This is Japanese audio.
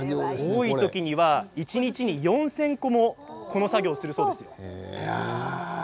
多い時には一日４０００個もこの作業をするそうですよ。